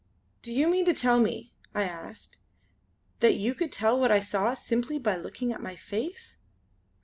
"Do you mean to tell me" I asked "that you could tell what I saw, simply by looking at my face?"